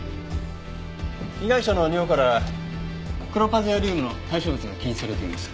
被害者の尿からクロパゼアリウムの代謝物が検出されています。